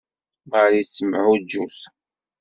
Marie tettemɛujjut.